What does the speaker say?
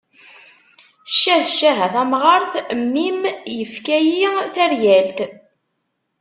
Ccah ccah a tamɣart, mmi-m yefka-yi taryalt.